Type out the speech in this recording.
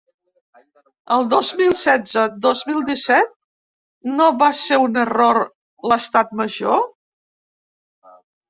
El dos mil setze, dos mil disset, no va ser un error l’estat major?